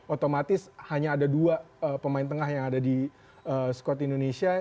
otomatis hanya ada dua pemain tengah yang ada di skot indonesia